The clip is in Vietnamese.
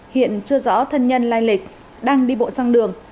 hiện chưa rõ thân nhân lai lịch đang đi bộ sang đường